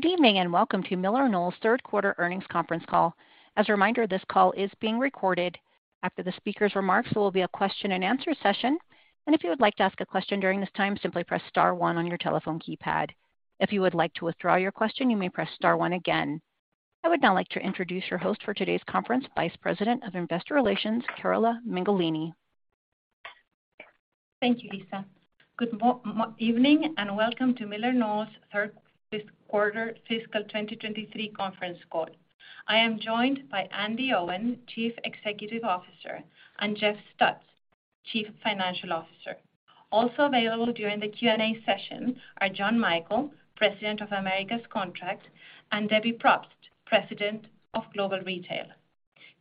Good evening, welcome to MillerKnoll's Third Quarter Earnings Conference Call. As a reminder, this call is being recorded. After the speaker's remarks, there will be a Q&A session. If you would like to ask a question during this time, simply press star one on your telephone keypad. If you would like to withdraw your question, you may press star one again. I would now like to introduce your host for today's conference, Vice President of Investor Relations, Carola Mengolini. Thank you, Lisa. Good evening, welcome to MillerKnoll's third quarter fiscal 2023 conference call. I am joined by Andi Owen, Chief Executive Officer, and Jeff Stutz, Chief Financial Officer. Also available during the Q&A session are John Michael, President of Americas Contract, and Debbie Propst, President of Global Retail.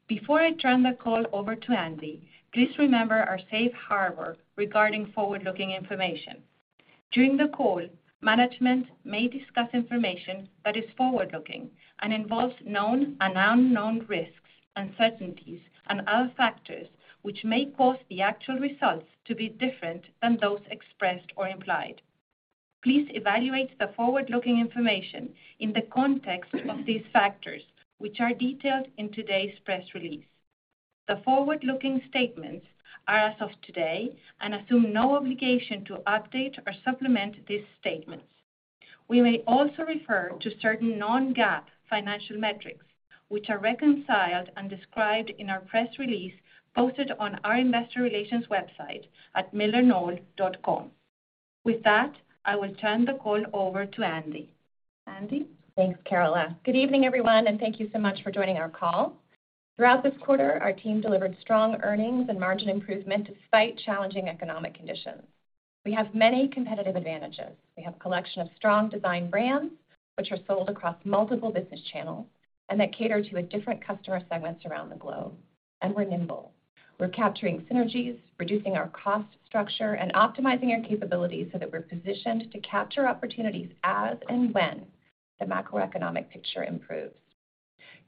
Before I turn the call over to Andi, please remember our safe harbor regarding forward-looking information. During the call, management may discuss information that is forward-looking and involves known and unknown risks, uncertainties, and other factors which may cause the actual results to be different than those expressed or implied. Please evaluate the forward-looking information in the context of these factors, which are detailed in today's press release. The forward-looking statements are as of today and assume no obligation to update or supplement these statements. We may also refer to certain non-GAAP financial metrics, which are reconciled and described in our press release posted on our investor relations website at millerknoll.com. With that, I will turn the call over to Andi. Andi? Thanks, Carola. Good evening, everyone, thank you so much for joining our call. Throughout this quarter, our team delivered strong earnings and margin improvement despite challenging economic conditions. We have many competitive advantages. We have a collection of strong design brands which are sold across multiple business channels and that cater to the different customer segments around the globe. We're nimble. We're capturing synergies, reducing our cost structure, and optimizing our capabilities so that we're positioned to capture opportunities as and when the macroeconomic picture improves.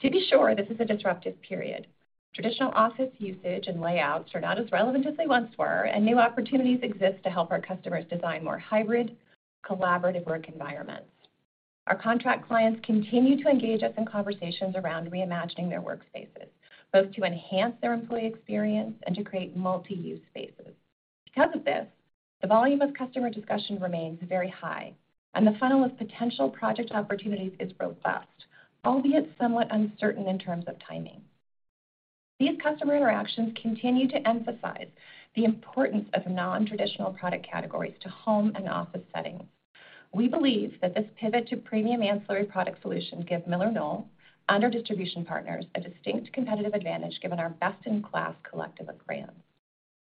To be sure, this is a disruptive period. Traditional office usage and layouts are not as relevant as they once were, new opportunities exist to help our customers design more hybrid, collaborative work environments. Our contract clients continue to engage us in conversations around reimagining their workspaces, both to enhance their employee experience and to create multi-use spaces. Because of this, the volume of customer discussion remains very high, and the funnel of potential project opportunities is robust, albeit somewhat uncertain in terms of timing. These customer interactions continue to emphasize the importance of nontraditional product categories to home and office settings. We believe that this pivot to premium ancillary product solutions give MillerKnoll, and our distribution partners, a distinct competitive advantage given our best-in-class collective of brands.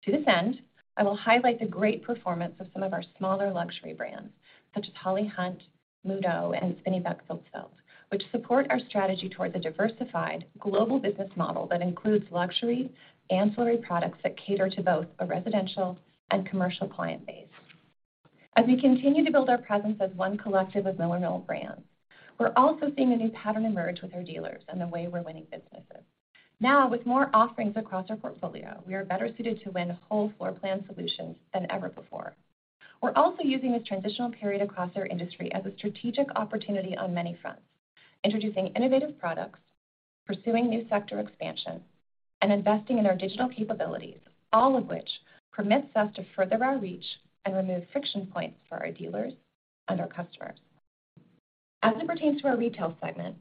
To this end, I will highlight the great performance of some of our smaller luxury brands, such as HOLLY HUNT, Muuto, and Spinneybeck-FilzFelt, which support our strategy towards a diversified global business model that includes luxury ancillary products that cater to both a residential and commercial client base. As we continue to build our presence as one collective of MillerKnoll brands, we're also seeing a new pattern emerge with our dealers and the way we're winning businesses. Now, with more offerings across our portfolio, we are better suited to win whole floor plan solutions than ever before. We're also using this transitional period across our industry as a strategic opportunity on many fronts: introducing innovative products, pursuing new sector expansion, and investing in our digital capabilities, all of which permits us to further our reach and remove friction points for our dealers and our customers. As it pertains to our retail segment,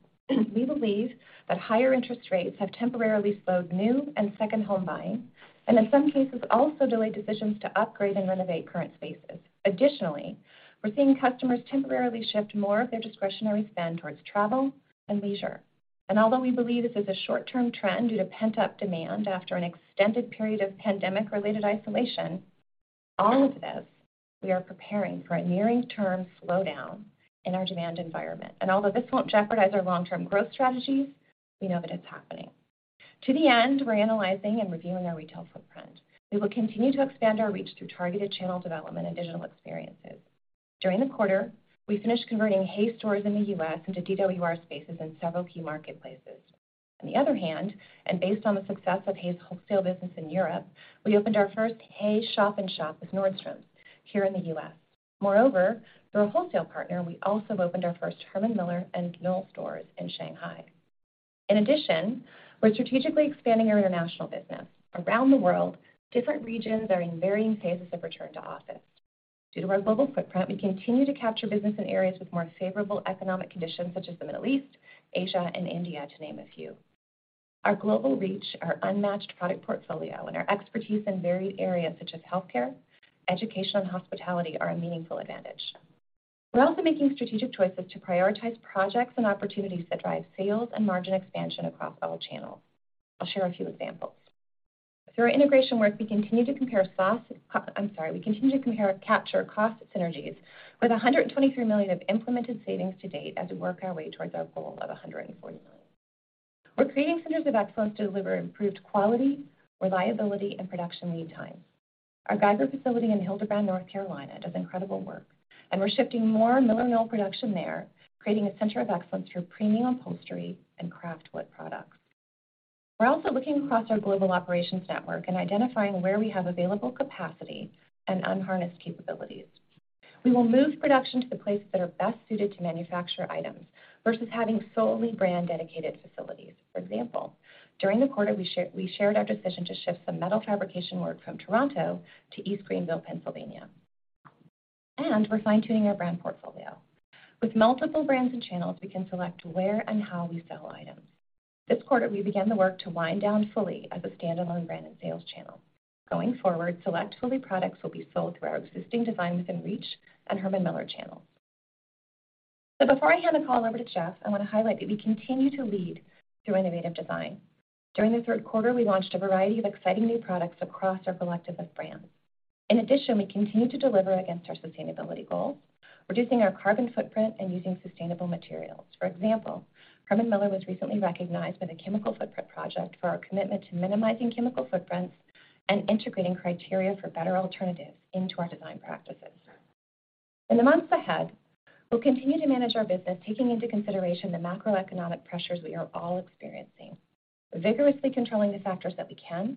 we believe that higher interest rates have temporarily slowed new and second home buying and in some cases also delayed decisions to upgrade and renovate current spaces. Additionally, we're seeing customers temporarily shift more of their discretionary spend towards travel and leisure. Although we believe this is a short-term trend due to pent-up demand after an extended period of pandemic-related isolation, all of this, we are preparing for a near-term slowdown in our demand environment. Although this won't jeopardize our long-term growth strategies, we know that it's happening. To the end, we're analyzing and reviewing our retail footprint. We will continue to expand our reach through targeted channel development and digital experiences. During the quarter, we finished converting HAY stores in the U.S. into DWR spaces in several key marketplaces. On the other hand, based on the success of HAY's wholesale business in Europe, we opened our first HAY shop-in-shop with Nordstrom here in the U.S. Through a wholesale partner, we also opened our first Herman Miller and Knoll stores in Shanghai. We're strategically expanding our international business. Around the world, different regions are in varying phases of return to office. Due to our global footprint, we continue to capture business in areas with more favorable economic conditions such as the Middle East, Asia, and India, to name a few. Our global reach, our unmatched product portfolio, and our expertise in varied areas such as healthcare, education, and hospitality are a meaningful advantage. We're also making strategic choices to prioritize projects and opportunities that drive sales and margin expansion across all channels. I'll share a few examples. Through our integration work, we continue to capture cost synergies with $123 million of implemented savings to date as we work our way towards our goal of $140 million. We're creating centers of excellence to deliver improved quality, reliability, and production lead time. Our Geiger facility in Hildebran, North Carolina, does incredible work, and we're shifting more MillerKnoll production there, creating a center of excellence for premium upholstery and craft wood products. We're also looking across our global operations network and identifying where we have available capacity and unharnessed capabilities. We will move production to the places that are best suited to manufacture items versus having solely brand-dedicated facilities. For example, during the quarter, we shared our decision to shift some metal fabrication work from Toronto to East Greenville, Pennsylvania. We're fine-tuning our brand portfolio. With multiple brands and channels, we can select where and how we sell items. This quarter, we began the work to wind down Fully as a standalone brand and sales channel. Going forward, select Fully products will be sold through our existing Design Within Reach and Herman Miller channels. Before I hand the call over to Jeff, I want to highlight that we continue to lead through innovative design. During the third quarter, we launched a variety of exciting new products across our collective of brands. In addition, we continue to deliver against our sustainability goals, reducing our carbon footprint, and using sustainable materials. For example, Herman Miller was recently recognized by the Chemical Footprint Project for our commitment to minimizing chemical footprints and integrating criteria for better alternatives into our design practices. In the months ahead, we'll continue to manage our business, taking into consideration the macroeconomic pressures we are all experiencing. Vigorously controlling the factors that we can,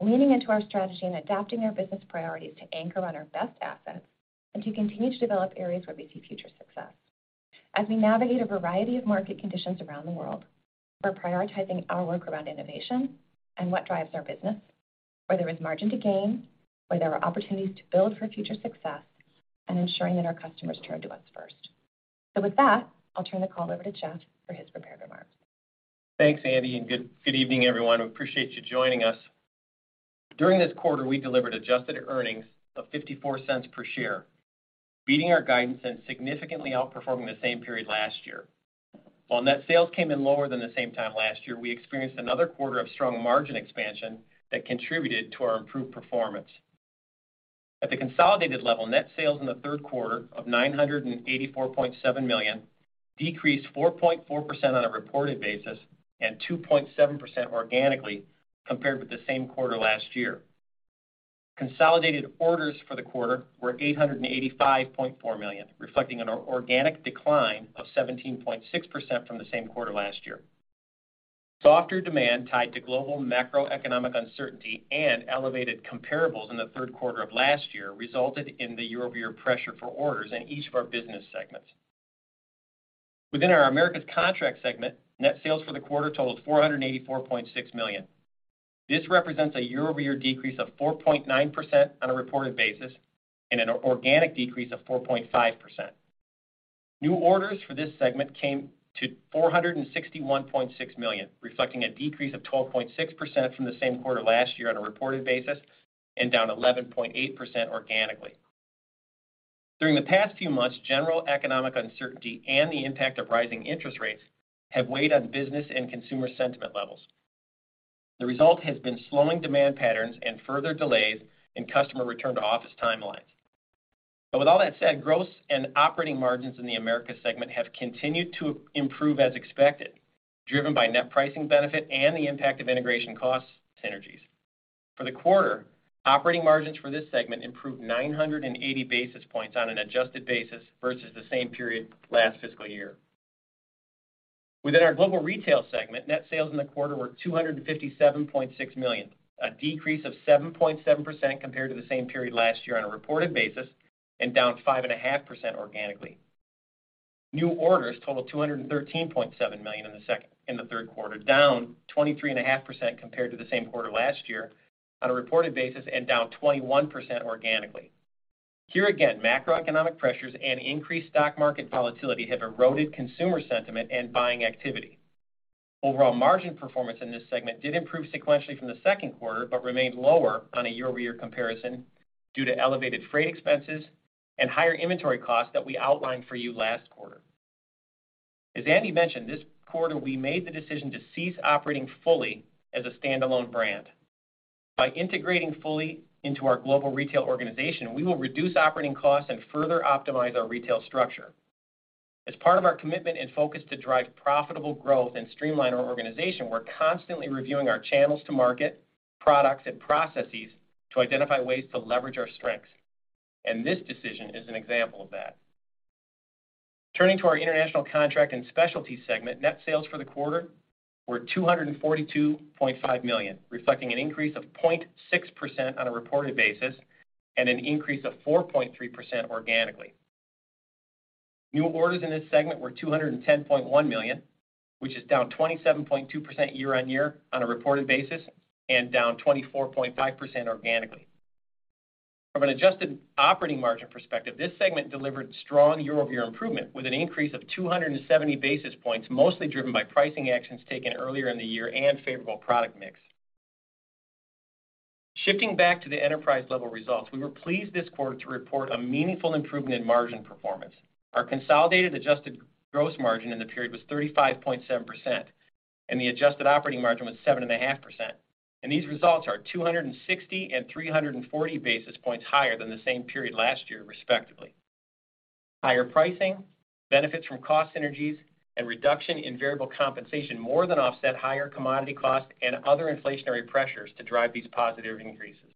leaning into our strategy, and adapting our business priorities to anchor on our best assets and to continue to develop areas where we see future success. As we navigate a variety of market conditions around the world, we're prioritizing our work around innovation and what drives our business, where there is margin to gain, where there are opportunities to build for future success, and ensuring that our customers turn to us first. With that, I'll turn the call over to Jeff for his prepared remarks. Thanks, Andi, and good evening, everyone. We appreciate you joining us. During this quarter, we delivered adjusted earnings of $0.54 per share, beating our guidance and significantly outperforming the same period last year. While net sales came in lower than the same time last year, we experienced another quarter of strong margin expansion that contributed to our improved performance. At the consolidated level, net sales in the third quarter of $984.7 million decreased 4.4% on a reported basis and 2.7% organically compared with the same quarter last year. Consolidated orders for the quarter were $885.4 million, reflecting an organic decline of 17.6% from the same quarter last year. Softer demand tied to global macroeconomic uncertainty and elevated comparables in the third quarter of last year resulted in the year-over-year pressure for orders in each of our business segments. Within our Americas Contract segment, net sales for the quarter totaled $484.6 million. This represents a year-over-year decrease of 4.9% on a reported basis and an organic decrease of 4.5%. New orders for this segment came to $461.6 million, reflecting a decrease of 12.6% from the same quarter last year on a reported basis and down 11.8% organically. During the past few months, general economic uncertainty and the impact of rising interest rates have weighed on business and consumer sentiment levels. The result has been slowing demand patterns and further delays in customer return-to-office timelines. With all that said, gross and operating margins in the Americas segment have continued to improve as expected, driven by net pricing benefit and the impact of integration cost synergies. For the quarter, operating margins for this segment improved 980 basis points on an adjusted basis versus the same period last fiscal year. Within our Global Retail segment, net sales in the quarter were $257.6 million, a decrease of 7.7% compared to the same period last year on a reported basis, and down 5.5% organically. New orders totaled $213.7 million in the third quarter, down 23.5% compared to the same quarter last year on a reported basis and down 21% organically. Here again, macroeconomic pressures and increased stock market volatility have eroded consumer sentiment and buying activity. Overall margin performance in this segment did improve sequentially from the second quarter but remained lower on a year-over-year comparison due to elevated freight expenses and higher inventory costs that we outlined for you last quarter. As Andi mentioned, this quarter we made the decision to cease operating Fully as a standalone brand. By integrating Fully into our Global Retail organization, we will reduce operating costs and further optimize our retail structure. As part of our commitment and focus to drive profitable growth and streamline our organization, we're constantly reviewing our channels to market, products, and processes to identify ways to leverage our strengths. This decision is an example of that. Turning to our International Contract and Specialty segment, net sales for the quarter were $242.5 million, reflecting an increase of 0.6% on a reported basis and an increase of 4.3% organically. New orders in this segment were $210.1 million, which is down 27.2% year-over-year on a reported basis and down 24.5% organically. From an adjusted operating margin perspective, this segment delivered strong year-over-year improvement with an increase of 270 basis points, mostly driven by pricing actions taken earlier in the year and favorable product mix. Shifting back to the enterprise-level results, we were pleased this quarter to report a meaningful improvement in margin performance. Our consolidated adjusted gross margin in the period was 35.7%, the adjusted operating margin was 7.5%. These results are 260 and 340 basis points higher than the same period last year, respectively. Higher pricing, benefits from cost synergies, and reduction in variable compensation more than offset higher commodity costs and other inflationary pressures to drive these positive increases.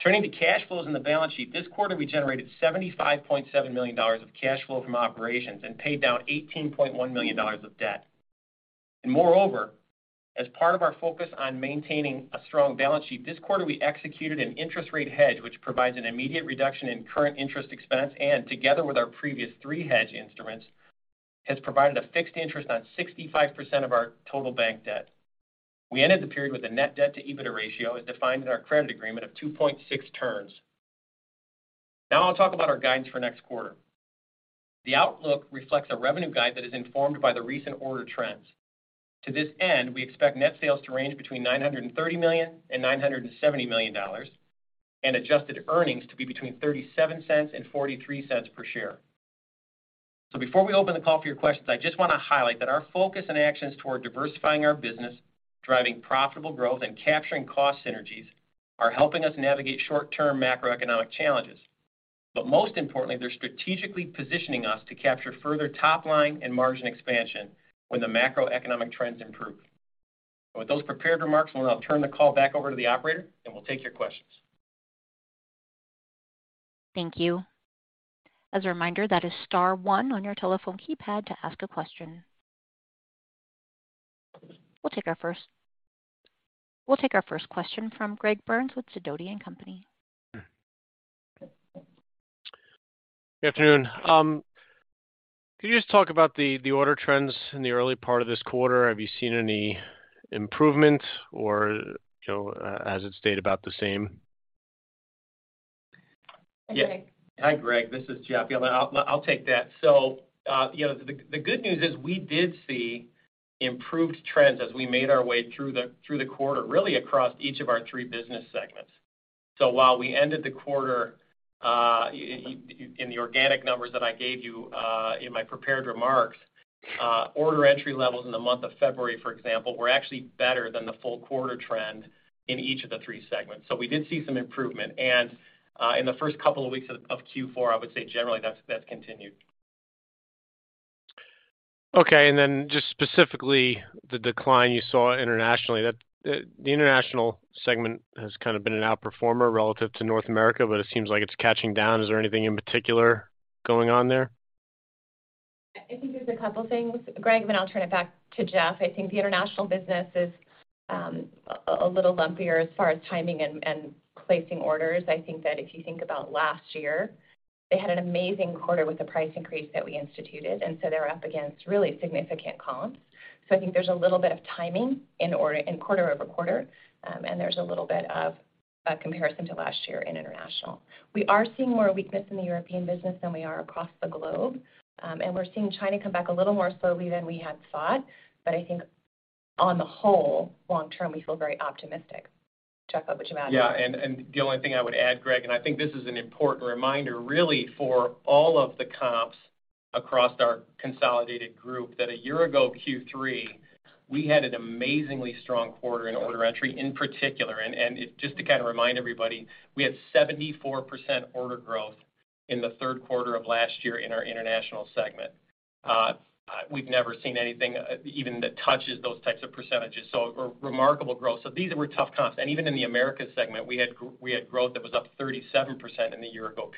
Turning to cash flows in the balance sheet, this quarter we generated $75.7 million of cash flow from operations and paid down $18.1 million of debt. Moreover, as part of our focus on maintaining a strong balance sheet, this quarter we executed an interest rate hedge, which provides an immediate reduction in current interest expense, and together with our previous three hedge instruments, has provided a fixed interest on 65% of our total bank debt. We ended the period with a net debt to EBITDA ratio as defined in our credit agreement of 2.6 turns. Now I'll talk about our guidance for next quarter. The outlook reflects a revenue guide that is informed by the recent order trends. To this end, we expect net sales to range between $930 million and $970 million, and adjusted earnings to be between $0.37 and $0.43 per share. Before we open the call for your questions, I just want to highlight that our focus and actions toward diversifying our business, driving profitable growth, and capturing cost synergies are helping us navigate short-term macroeconomic challenges. Most importantly, they're strategically positioning us to capture further top-line and margin expansion when the macroeconomic trends improve. With those prepared remarks, I'll turn the call back over to the operator and we'll take your questions. Thank you. As a reminder, that is star one on your telephone keypad to ask a question. We'll take our first question from Greg Burns with Sidoti & Company. Good afternoon. Could you just talk about the order trends in the early part of this quarter? Have you seen any improvement or, you know, has it stayed about the same? Yeah. Hi, Greg Burns, this is Jeff. I'll take that. You know, the good news is we did see improved trends as we made our way through the quarter, really across each of our three business segments. While we ended the quarter, in the organic numbers that I gave you, in my prepared remarks, order entry levels in the month of February, for example, were actually better than the full quarter trend in each of the three segments. We did see some improvement. In the first couple of weeks of Q4, I would say generally that's continued. Okay. Just specifically the decline you saw internationally, that, the International segment has kind of been an outperformer relative to North America, but it seems like it's catching down. Is there anything in particular going on there? I think there's a couple things, Greg, then I'll turn it back to Jeff. I think the international business is a little lumpier as far as timing and placing orders. I think that if you think about last year, they had an amazing quarter with the price increase that we instituted, and so they're up against really significant comps. I think there's a little bit of timing in quarter-over-quarter, and there's a little bit of a comparison to last year in international. We are seeing more weakness in the European business than we are across the globe, and we're seeing China come back a little more slowly than we had thought. I think on the whole, long-term, we feel very optimistic. Jeff, what would you add? Yeah. The only thing I would add, Greg, I think this is an important reminder really for all of the comps across our consolidated group, that a year ago, Q3, we had an amazingly strong quarter in order entry in particular. Just to kind of remind everybody, we had 74% order growth in the third quarter of last year in our International segment. We've never seen anything even that touches those types of percentages. Remarkable growth. These were tough comps. Even in the Americas segment, we had growth that was up 37% in the year ago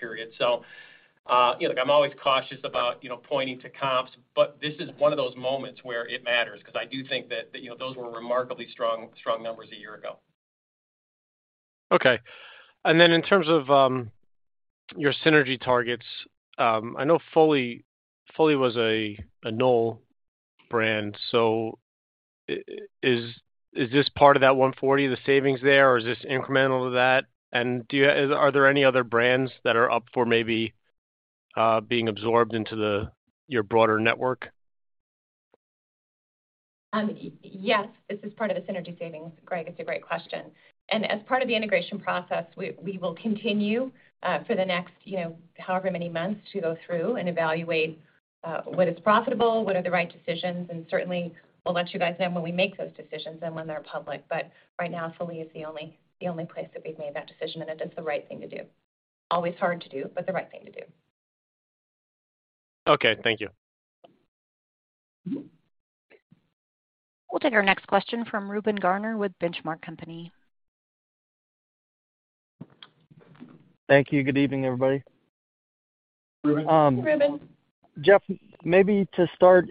period. You know, look, I'm always cautious about, you know, pointing to comps, but this is one of those moments where it matters because I do think that, you know, those were remarkably strong numbers a year ago. In terms of your synergy targets, I know Fully was a Knoll brand. Is this part of that 140, the savings there, or is this incremental to that? Are there any other brands that are up for maybe being absorbed into your broader network? Yes, this is part of the synergy savings, Greg. It's a great question. As part of the integration process, we will continue for the next, you know, however many months to go through and evaluate what is profitable, what are the right decisions, and certainly we'll let you guys know when we make those decisions and when they're public. Right now, Fully is the only place that we've made that decision, and it is the right thing to do. Always hard to do, but the right thing to do. Okay, thank you. We'll take our next question from Reuben Garner with Benchmark Company. Thank you. Good evening, everybody. Reuben. Reuben. Jeff, maybe to start,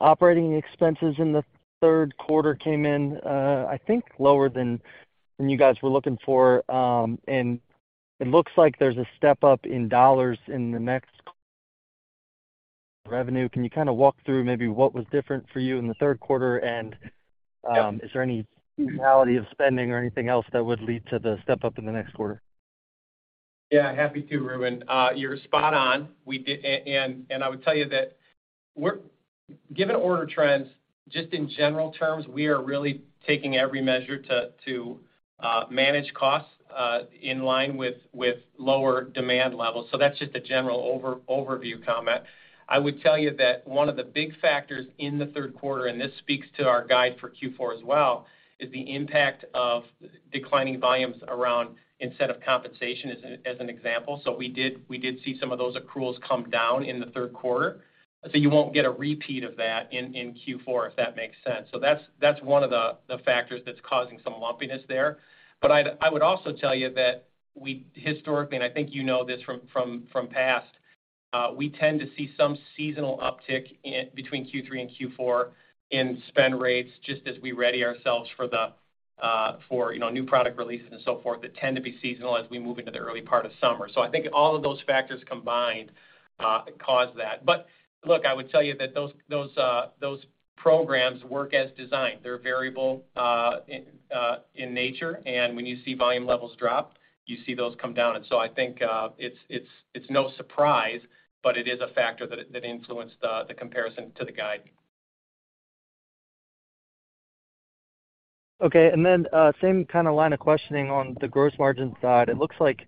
operating expenses in the third quarter came in, I think lower than you guys were looking for. It looks like there's a step-up in dollars in the next revenue. Can you kind of walk through maybe what was different for you in the third quarter? Yeah. Is there any seasonality of spending or anything else that would lead to the step-up in the next quarter? Yeah, happy to, Reuben. You're spot on. And I would tell you that given order trends, just in general terms, we are really taking every measure to manage costs in line with lower demand levels. That's just a general overview comment. I would tell you that one of the big factors in the third quarter, and this speaks to our guide for Q4 as well, is the impact of declining volumes around incentive compensation as an example. We did see some of those accruals come down in the third quarter. You won't get a repeat of that in Q4, if that makes sense. That's one of the factors that's causing some lumpiness there. I would also tell you that we historically, and I think you know this from past, we tend to see some seasonal uptick between Q3 and Q4 in spend rates just as we ready ourselves for the, for, you know, new product releases and so forth that tend to be seasonal as we move into the early part of summer. I think all of those factors combined, cause that. Look, I would tell you that those programs work as designed. They're variable, in nature, and when you see volume levels drop, you see those come down. I think, it's, it's no surprise, but it is a factor that influenced the comparison to the guide. Okay. Same kind of line of questioning on the gross margin side. It looks like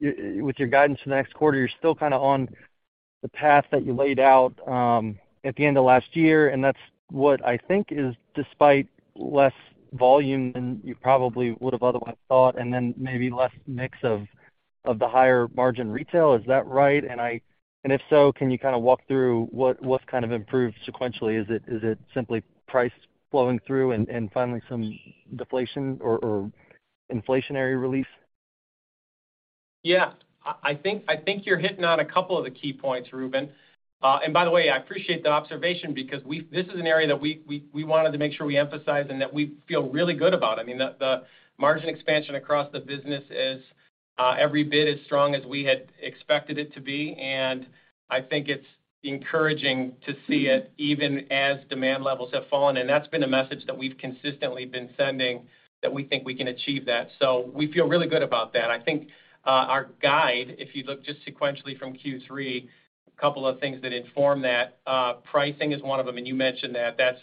with your guidance for the next quarter, you're still kind of on the path that you laid out at the end of last year, and that's what I think is despite less volume than you probably would have otherwise thought and then maybe less mix of the higher margin retail. Is that right? If so, can you kind of walk through what's kind of improved sequentially? Is it simply price flowing through and finally some deflation or inflationary relief? I think you're hitting on a couple of the key points, Reuben. By the way, I appreciate the observation because this is an area that we wanted to make sure we emphasize and that we feel really good about. I mean, the margin expansion across the business is every bit as strong as we had expected it to be, and I think it's encouraging to see it even as demand levels have fallen. That's been a message that we've consistently been sending that we think we can achieve that. We feel really good about that. I think our guide, if you look just sequentially from Q3, a couple of things that inform that, pricing is one of them. You mentioned that. That's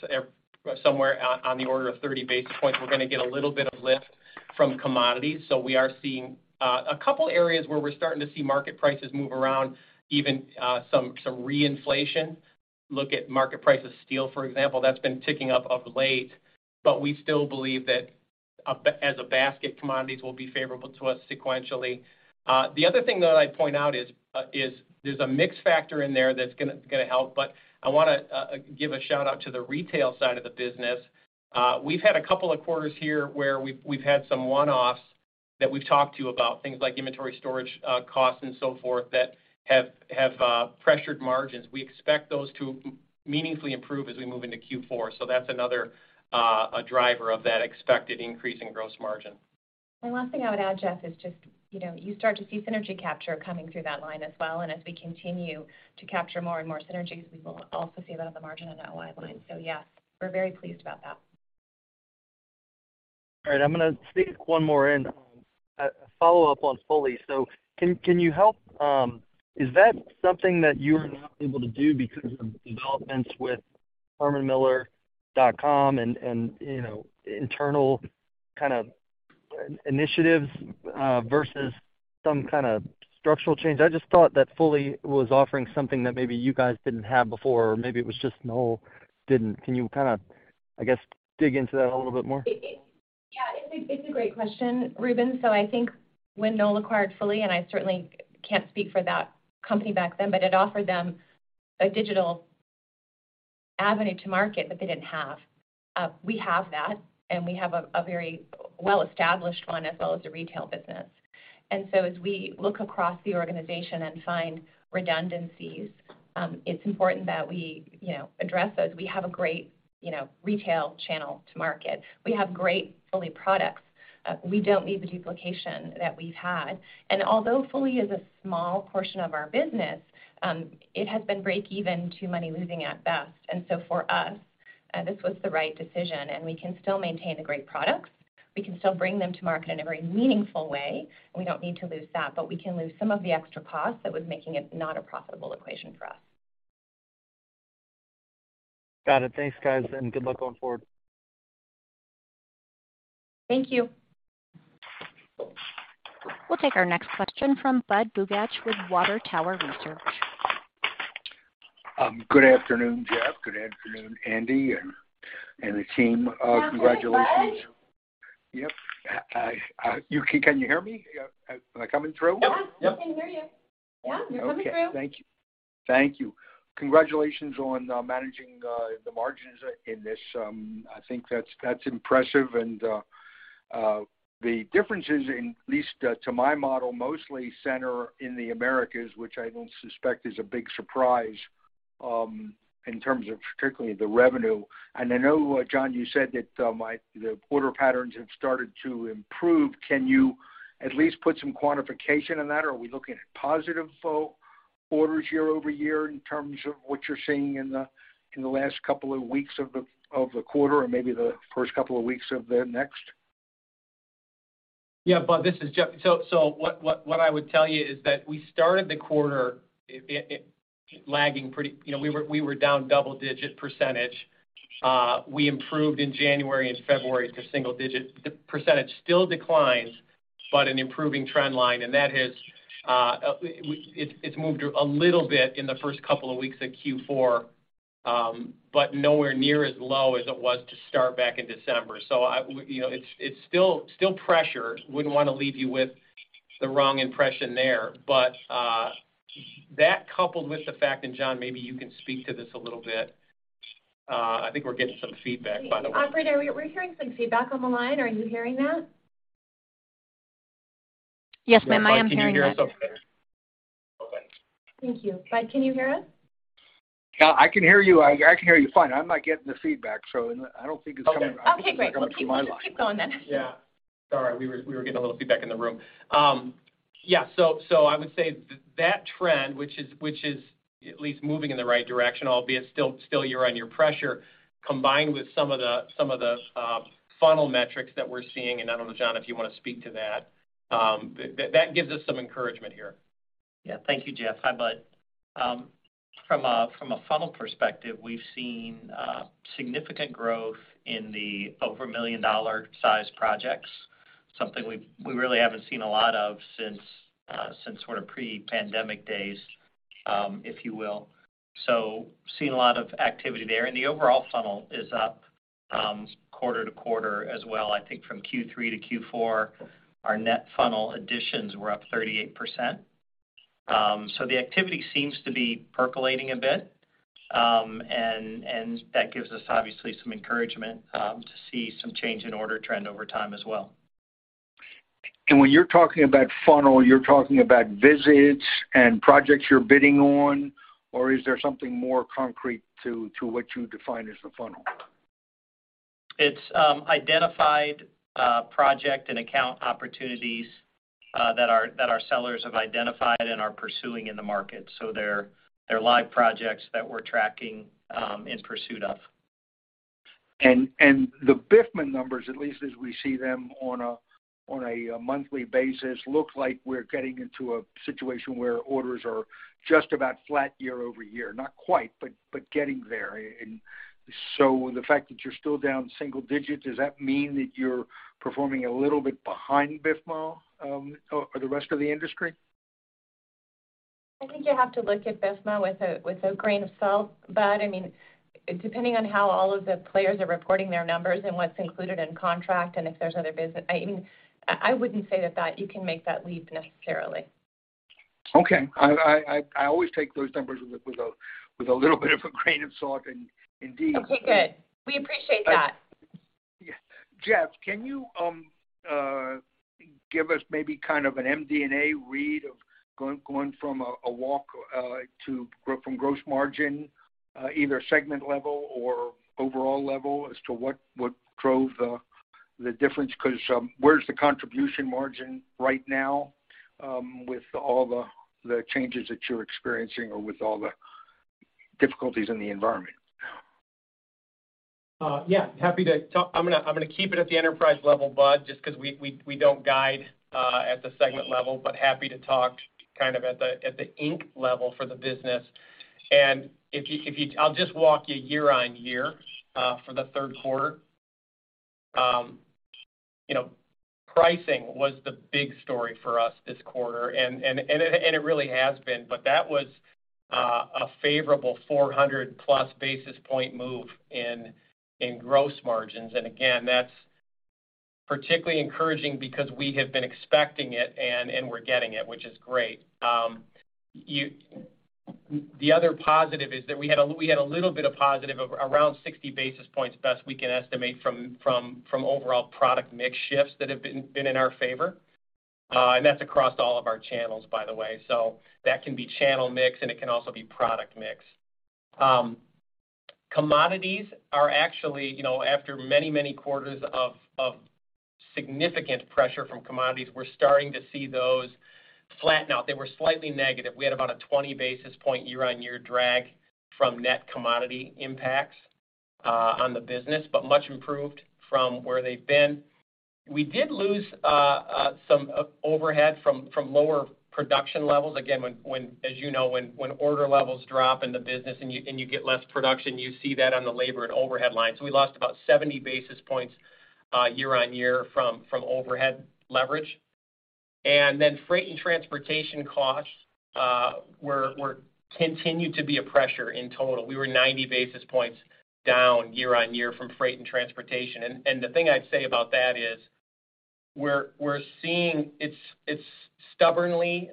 somewhere on the order of 30 basis points. We're gonna get a little bit of lift from commodities. We are seeing a couple areas where we're starting to see market prices move around, even some reinflation. Look at market price of steel, for example. That's been ticking up of late. We still believe that as a basket, commodities will be favorable to us sequentially. The other thing that I'd point out is there's a mix factor in there that's gonna help, I wanna give a shout-out to the retail side of the business. We've had a couple of quarters here where we've had some one-offs that we've talked to you about, things like inventory storage costs and so forth that have pressured margins. We expect those to meaningfully improve as we move into Q4. That's another driver of that expected increase in gross margin. Last thing I would add, Jeff, is just, you know, you start to see synergy capture coming through that line as well. As we continue to capture more and more synergies, we will also see that on the margin on that Y line. Yes, we're very pleased about that. All right. I'm gonna sneak one more in. A follow-up on Fully. Can you help? Is that something that you're now able to do because of developments with hermanmiller.com and, you know, internal kind of initiatives versus some kind of structural change? I just thought that Fully was offering something that maybe you guys didn't have before, or maybe it was just Knoll didn't. Can you kind of, I guess, dig into that a little bit more? Yeah, it's a, it's a great question, Reuben. I think when Knoll acquired Fully, and I certainly can't speak for that company back then, but it offered them a digital avenue to market that they didn't have. We have that, and we have a very well-established one as well as a retail business. As we look across the organization and find redundancies, it's important that we, you know, address those. We have a great, you know, retail channel to market. We have great Fully products. We don't need the duplication that we've had. Although Fully is a small portion of our business, it has been break even to money losing at best. For us, this was the right decision, and we can still maintain the great products. We can still bring them to market in a very meaningful way, and we don't need to lose that. We can lose some of the extra costs that was making it not a profitable equation for us. Got it. Thanks, guys, and good luck going forward. Thank you. We'll take our next question from Budd Bugatch with Water Tower Research. Good afternoon, Jeff. Good afternoon, Andi and the team. Congratulations. Afternoon, Budd. Yep. Can you hear me? Am I coming through? Yeah. Yep. We can hear you. Yeah, you're coming through. Okay. Thank you. Thank you. Congratulations on managing the margins in this. I think that's impressive. The differences, at least to my model, mostly center in the Americas, which I don't suspect is a big surprise in terms of particularly the revenue. I know John, you said that the order patterns have started to improve. Can you at least put some quantification on that? Are we looking at positive orders year-over-year in terms of what you're seeing in the last couple of weeks of the quarter or maybe the first couple of weeks of the next? Yeah, Budd, this is Jeff. What I would tell you is that we started the quarter lagging pretty. You know, we were down double-digit percentage. We improved in January and February to single digit. The percentage still declines, but an improving trend line, and that has, it's moved a little bit in the first couple of weeks of Q4, but nowhere near as low as it was to start back in December. I you know, it's still pressure. Wouldn't wanna leave you with the wrong impression there. That coupled with the fact, and John, maybe you can speak to this a little bit. I think we're getting some feedback, by the way. Operator, are we hearing some feedback on the line? Are you hearing that? Yes, ma'am, I am hearing that. Thank you. Bud, can you hear us? Yeah, I can hear you. I can hear you fine. I'm not getting the feedback, so I don't think it's coming. Okay. Okay, great. I think it's coming from my line. Well, keep going then. Yeah. Sorry, we were getting a little feedback in the room. Yeah. I would say that trend, which is at least moving in the right direction, albeit still year-on-year pressure, combined with some of the funnel metrics that we're seeing, and I don't know, John, if you wanna speak to that gives us some encouragement here. Yeah. Thank you, Jeff. Hi, Budd. From a funnel perspective, we've seen significant growth in the over $1 million size projects. Something we really haven't seen a lot of since sort of pre-pandemic days, if you will. Seeing a lot of activity there. The overall funnel is up quarter-to-quarter as well. I think from Q3 to Q4, our net funnel additions were up 38%. The activity seems to be percolating a bit, and that gives us obviously some encouragement to see some change in order trend over time as well. When you're talking about funnel, you're talking about visits and projects you're bidding on, or is there something more concrete to what you define as the funnel? It's identified project and account opportunities that our sellers have identified and are pursuing in the market. They're live projects that we're tracking in pursuit of. The BIFMA numbers, at least as we see them on a monthly basis, look like we're getting into a situation where orders are just about flat year-over-year. Not quite, but getting there. The fact that you're still down single digits, does that mean that you're performing a little bit behind BIFMA, or the rest of the industry? I think you have to look at BIFMA with a grain of salt. I mean, depending on how all of the players are reporting their numbers and what's included in contract and if there's other, I mean, I wouldn't say that you can make that leap necessarily. Okay. I always take those numbers with a little bit of a grain of salt indeed. Okay, good. We appreciate that. Yeah. Jeff, can you give us maybe kind of an MD&A read of going from a walk from gross margin, either segment level or overall level, as to what drove the difference? 'Cause where's the contribution margin right now with all the changes that you're experiencing or with all the difficulties in the environment? Yeah. Happy to talk. I'm gonna keep it at the enterprise level, Budd, just cause we don't guide at the segment level, but happy to talk kind of at the Inc. level for the business. I'll just walk you year-over-year for the third quarter. You know, pricing was the big story for us this quarter, and it really has been. That was a favorable 400+ basis point move in gross margins. Again, that's particularly encouraging because we have been expecting it and we're getting it, which is great. The other positive is that we had a little bit of positive, around 60 basis points best we can estimate from overall product mix shifts that have been in our favor. That's across all of our channels, by the way. That can be channel mix, and it can also be product mix. Commodities are actually, you know, after many, many quarters of significant pressure from commodities, we're starting to see those flatten out. They were slightly negative. We had about a 20 basis point year-on-year drag from net commodity impacts on the business, but much improved from where they've been. We did lose some overhead from lower production levels. As you know, when order levels drop in the business and you get less production, you see that on the labor and overhead line. We lost about 70 basis points year on year from overhead leverage. Freight and transportation costs continued to be a pressure in total. We were 90 basis points down year on year from freight and transportation. The thing I'd say about that is we're seeing it's stubbornly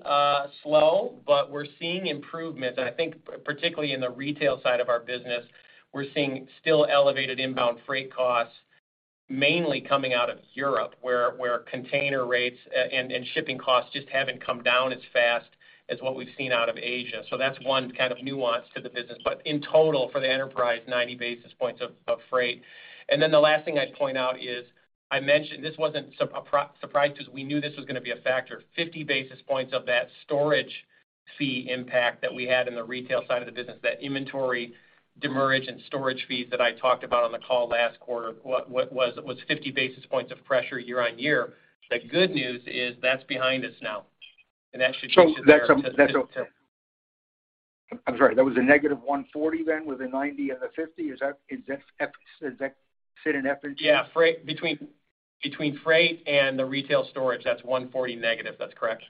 slow, but we're seeing improvement. I think particularly in the retail side of our business, we're seeing still elevated inbound freight costs, mainly coming out of Europe, where container rates and shipping costs just haven't come down as fast as what we've seen out of Asia. That's one kind of nuance to the business. In total for the enterprise, 90 basis points of freight. The last thing I'd point out is, I mentioned this wasn't a surprise to us. We knew this was gonna be a factor. 50 basis points of that storage fee impact that we had in the retail side of the business, that inventory demurrage and storage fees that I talked about on the call last quarter, was 50 basis points of pressure year-over-year. The good news is that's behind us now, and that should be- That's a. I'm sorry. That was a -140 then with a 90 and a 50? Is that sit in? Yeah. Freight between freight and the retail storage, that's -140. That's correct.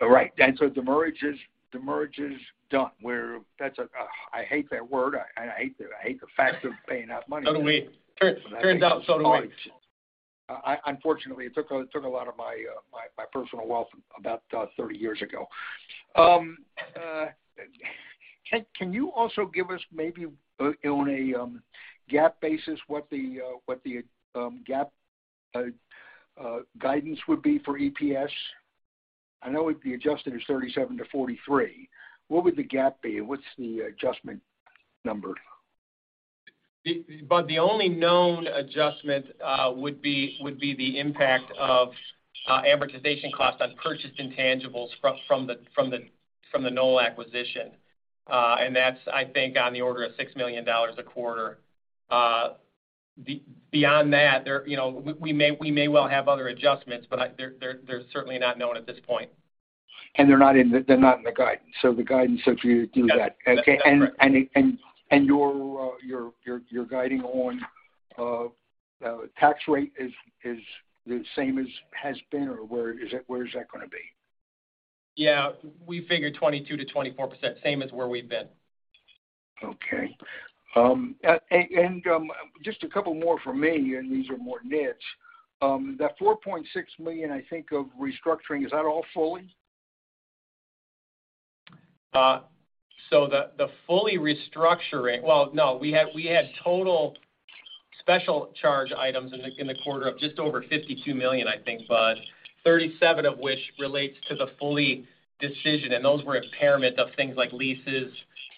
All right. Demurrage is done. I hate that word. I hate the fact of paying that money. Do we. Turns out so do we. Unfortunately, it took a lot of my personal wealth about 30 years ago. Can you also give us maybe on a GAAP basis, what the GAAP guidance would be for EPS? I know with the adjusted is $0.37 to $0.43. What would the GAAP be? What's the adjustment number? The only known adjustment would be the impact of amortization costs on purchased intangibles from the Knoll acquisition. That's, I think, on the order of $6 million a quarter. Beyond that there, you know, we may, we may well have other adjustments, but they're certainly not known at this point. They're not in the, they're not in the guidance. The guidance, so if you do that- Yep. Okay. And your guiding on tax rate is the same as has been, or where is that gonna be? Yeah. We figure 22% to 24%, same as where we've been. Okay. Just a couple more from me, these are more niche. That $4.6 million, I think, of restructuring, is that all Fully? The Fully restructuring. Well, no. We had total special charge items in the quarter of just over $52 million, I think, Bud. 37 of which relates to the Fully decision, and those were impairment of things like leases. Oh,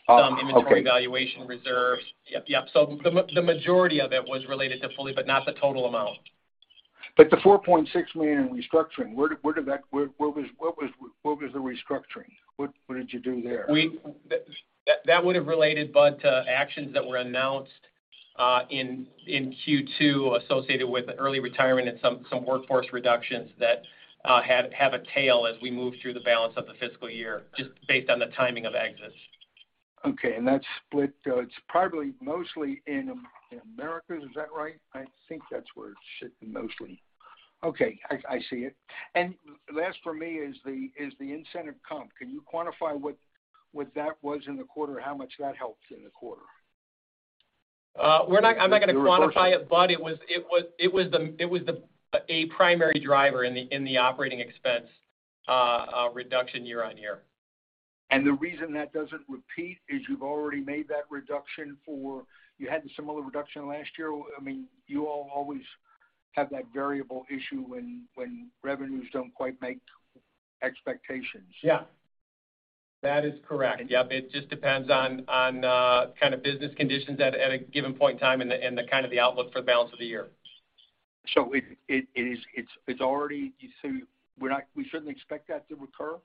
okay. Some inventory valuation reserve. Yep, yep. The majority of it was related to Fully, but not the total amount. The $4.6 million in restructuring, where did that? What was the restructuring? What did you do there? That would have related, Bud, to actions that were announced in Q2 associated with early retirement and some workforce reductions that have a tail as we move through the balance of the fiscal year, just based on the timing of exits. Okay. That's split, it's probably mostly in Americas. Is that right? I think that's where it should be mostly. Okay. I see it. Last for me is the incentive comp. Can you quantify what that was in the quarter? How much that helped in the quarter? I'm not gonna quantify it, Bud. It was a primary driver in the operating expense reduction year-on-year. The reason that doesn't repeat is you've already made that reduction for. You had a similar reduction last year. I mean, you all always have that variable issue when revenues don't quite make expectations. Yeah. That is correct. Yep. It just depends on kind of business conditions at a given point in time and the kind of the outlook for the balance of the year. It's already. You say we shouldn't expect that to recur?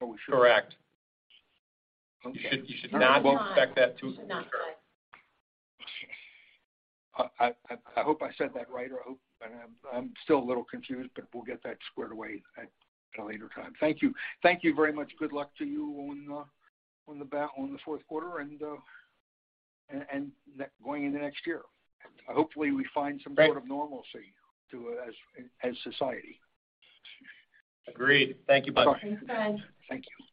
Or we should? Correct. Okay. You should not expect that to recur. I hope I said that right, or I hope. I'm still a little confused. We'll get that squared away at a later time. Thank you. Thank you very much. Good luck to you on the fourth quarter and going into next year. Hopefully, we find some sort of normalcy to, as society. Agreed. Thank you, Bud. Thank you.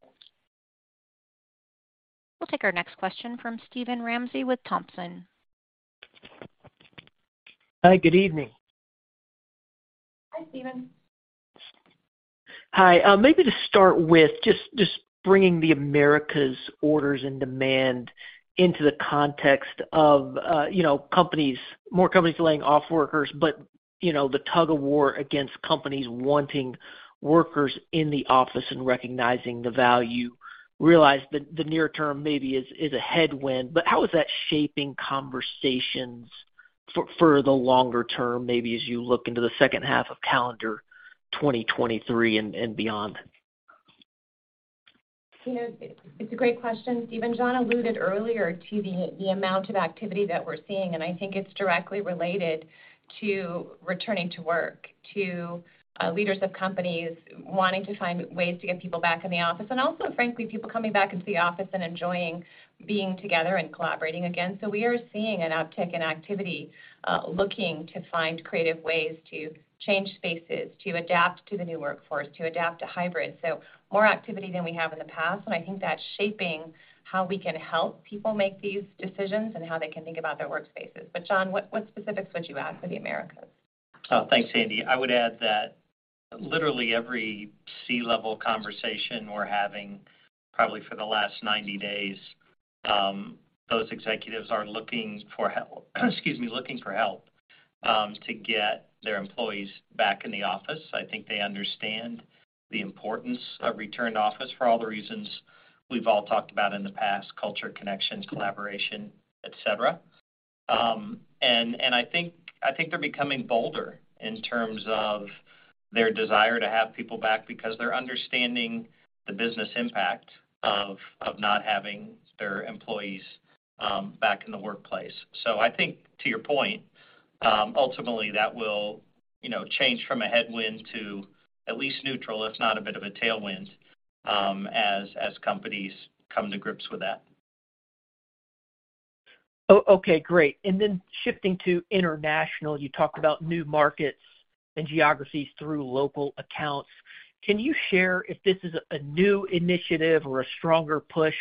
We'll take our next question from Steven Ramsey with Thompson. Hi, good evening. Hi, Steven. Hi. Maybe to start with just bringing the Americas orders and demand into the context of, you know, companies, more companies laying off workers, you know, the tug-of-war against companies wanting workers in the office and recognizing the value. Realize the near term maybe is a headwind, how is that shaping conversations for the longer term, maybe as you look into the second half of calendar 2023 and beyond? You know, it's a great question, Steven. John alluded earlier to the amount of activity that we're seeing, and I think it's directly related to returning to work, to leaders of companies wanting to find ways to get people back in the office, and also, frankly, people coming back into the office and enjoying being together and collaborating again. We are seeing an uptick in activity, looking to find creative ways to change spaces, to adapt to the new workforce, to adapt to hybrid. More activity than we have in the past, and I think that's shaping how we can help people make these decisions and how they can think about their workspaces. John, what specifics would you add for the Americas? Oh, thanks, Andi. I would add that literally every C-level conversation we're having, probably for the last 90 days, those executives are looking for help to get their employees back in the office. I think they understand the importance of return to office for all the reasons we've all talked about in the past, culture, connections, collaboration, et cetera. I think they're becoming bolder in terms of their desire to have people back because they're understanding the business impact of not having their employees back in the workplace. I think to your point, ultimately, that will, you know, change from a headwind to at least neutral, if not a bit of a tailwind, as companies come to grips with that. Okay, great. Shifting to international, you talked about new markets and geographies through local accounts. Can you share if this is a new initiative or a stronger push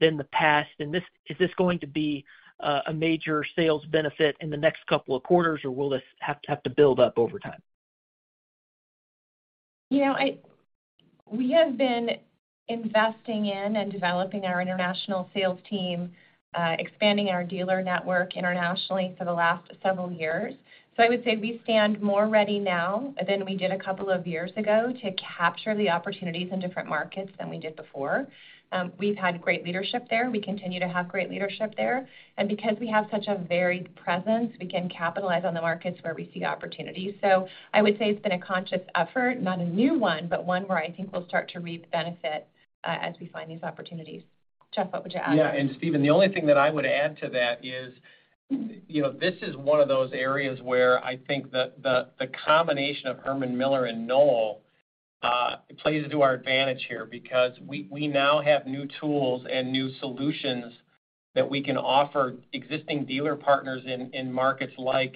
than the past? Is this going to be a major sales benefit in the next couple of quarters, or will this have to build up over time? You know, we have been investing in and developing our international sales team, expanding our dealer network internationally for the last several years. I would say we stand more ready now than we did a couple of years ago to capture the opportunities in different markets than we did before. We've had great leadership there, and we continue to have great leadership there. Because we have such a varied presence, we can capitalize on the markets where we see opportunities. I would say it's been a conscious effort, not a new one, but one where I think we'll start to reap the benefits, as we find these opportunities. Jeff, what would you add? Yeah. Stephen, the only thing that I would add to that is, you know, this is one of those areas where I think the combination of Herman Miller and Knoll plays to our advantage here because we now have new tools and new solutions that we can offer existing dealer partners in markets like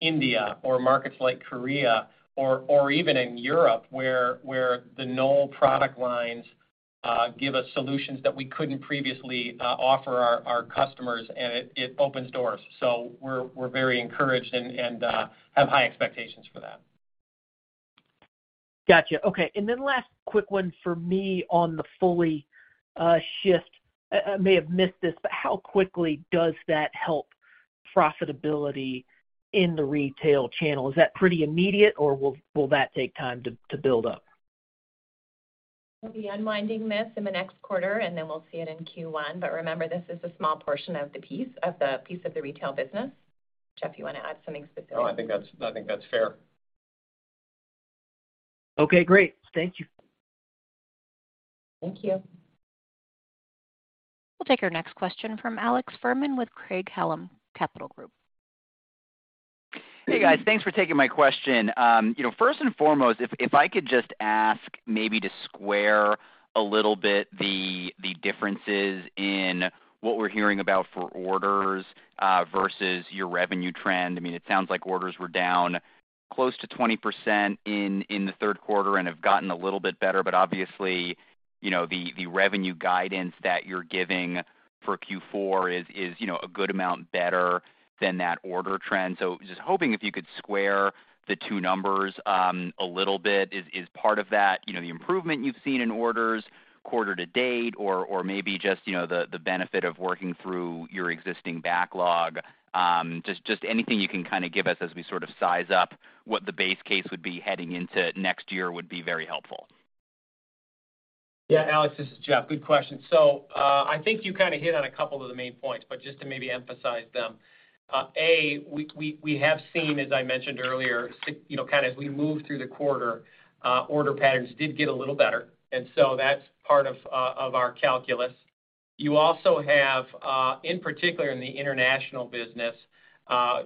India or markets like Korea or even in Europe, where the Knoll product lines give us solutions that we couldn't previously offer our customers, and it opens doors. We're very encouraged and have high expectations for that. Gotcha. Okay. Last quick one for me on the Fully shift. I may have missed this, but how quickly does that help profitability in the retail channel? Is that pretty immediate, or will that take time to build up? We'll be unwinding this in the next quarter, then we'll see it in Q1. Remember, this is a small portion of the piece of the retail business. Jeff, you wanna add something specific? No, I think that's, I think that's fair. Okay, great. Thank you. Thank you. We'll take our next question from Alex Fuhrman with Craig-Hallum Capital Group. Hey, guys. Thanks for taking my question. You know, first and foremost, if I could just ask maybe to square a little bit the differences in what we're hearing about for orders versus your revenue trend. I mean, it sounds like orders were down close to 20% in the third quarter and have gotten a little bit better. Obviously, you know, the revenue guidance that you're giving for Q4 is, you know, a good amount better than that order trend. Just hoping if you could square the two numbers a little bit. Is part of that, you know, the improvement you've seen in orders quarter to date or maybe just, you know, the benefit of working through your existing backlog. Just anything you can kinda give us as we sort of size up what the base case would be heading into next year would be very helpful. Yeah. Alex, this is Jeff. Good question. I think you kinda hit on a couple of the main points, but just to maybe emphasize them. A, we have seen, as I mentioned earlier, you know, kinda as we moved through the quarter, order patterns did get a little better, and so that's part of our calculus. You also have, in particular in the international business,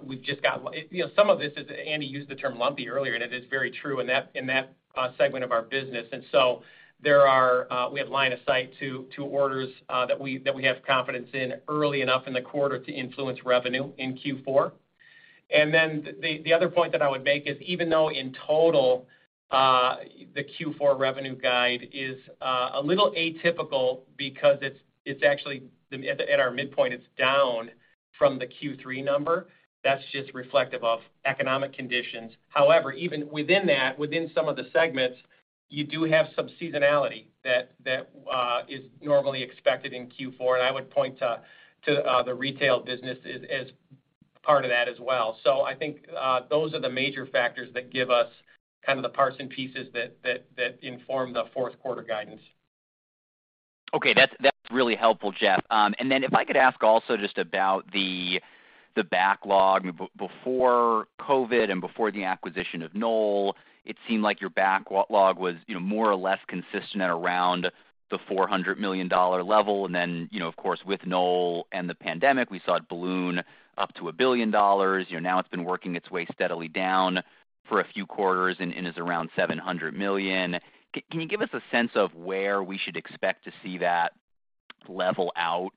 we've just got. You know, some of this is, Andi used the term lumpy earlier, and it is very true in that, in that, segment of our business. There are, we have line of sight to orders that we have confidence in early enough in the quarter to influence revenue in Q4. The other point that I would make is, even though in total, the Q4 revenue guide is a little atypical because it's actually at our midpoint, it's down from the Q3 number. That's just reflective of economic conditions. However, even within that, within some of the segments, you do have some seasonality that is normally expected in Q4, and I would point to the retail business as part of that as well. I think those are the major factors that give us kind of the parts and pieces that inform the fourth quarter guidance. Okay. That's really helpful, Jeff. Then if I could ask also just about the backlog. Before COVID and before the acquisition of Knoll, it seemed like your backlog was, you know, more or less consistent at around the $400 million level. You know, of course, with Knoll and the pandemic, we saw it balloon up to $1 billion. You know, now it's been working its way steadily down for a few quarters and is around $700 million. Can you give us a sense of where we should expect to see that level out,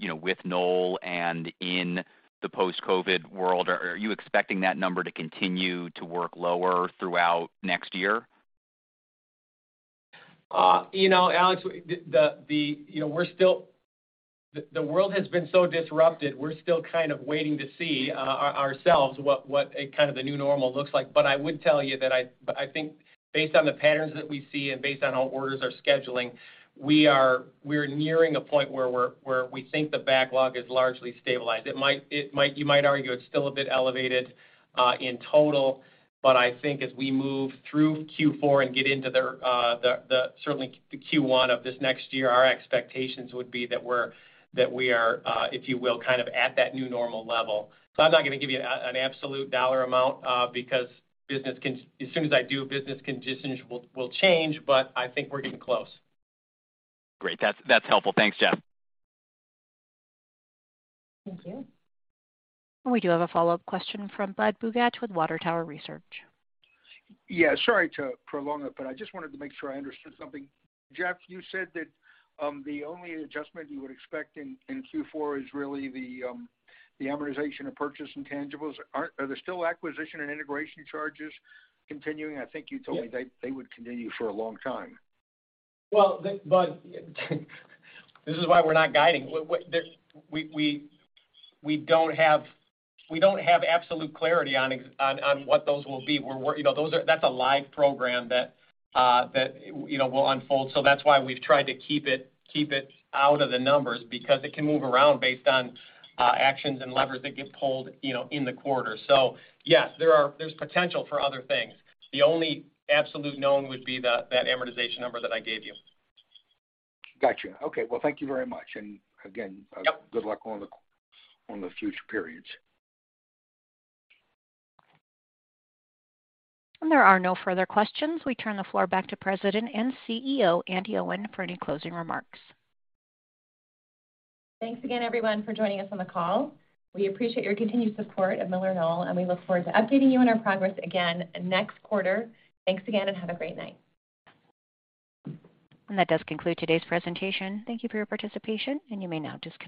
you know, with Knoll and in the post-COVID world? Are you expecting that number to continue to work lower throughout next year? You know, Alex Fuhrman, the world has been so disrupted, we're still kind of waiting to see ourselves what a kind of the new normal looks like. I would tell you that I think based on the patterns that we see and based on how orders are scheduling, we're nearing a point where we think the backlog is largely stabilized. You might argue it's still a bit elevated in total, but I think as we move through Q4 and get into the certainly the Q1 of this next year, our expectations would be that we are, if you will, kind of at that new normal level. I'm not gonna give you an absolute dollar amount because business can... As soon as I do, business conditions will change, but I think we're getting close. Great. That's helpful. Thanks, Jeff. Thank you. We do have a follow-up question from Budd Bugatch with Water Tower Research. Yeah, sorry to prolong it, but I just wanted to make sure I understood something. Jeff, you said that, the only adjustment you would expect in Q4 is really the amortization of purchased intangibles. Are there still acquisition and integration charges continuing? I think you told me they would continue for a long time. This is why we're not guiding. We don't have absolute clarity on what those will be. You know, that's a live program that, you know, will unfold. That's why we've tried to keep it, keep it out of the numbers because it can move around based on actions and levers that get pulled, you know, in the quarter. Yes, there's potential for other things. The only absolute known would be that amortization number that I gave you. Gotcha. Okay. Well, thank you very much. And again good luck on the, on the future periods. There are no further questions. We turn the floor back to President and CEO, Andi Owen, for any closing remarks. Thanks again, everyone, for joining us on the call. We appreciate your continued support of MillerKnoll, and we look forward to updating you on our progress again next quarter. Thanks again. Have a great night. That does conclude today's presentation. Thank you for your participation, and you may now disconnect.